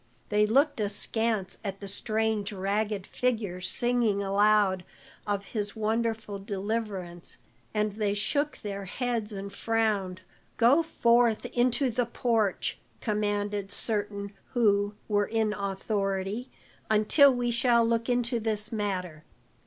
They looked askance at the strange ragged figure singing aloud of his wonderful deliverance, and they shook their heads and frowned. "Go forth into the porch," commanded certain who were in authority, "until we shall look into this matter."